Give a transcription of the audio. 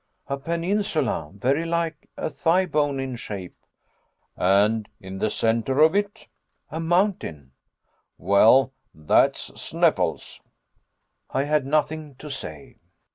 "A peninsula very like a thighbone in shape." "And in the centre of it ?" "A mountain." "Well, that's Sneffels." I had nothing to say.